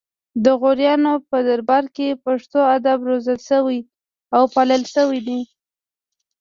د غوریانو په دربار کې پښتو ادب روزل شوی او پالل شوی دی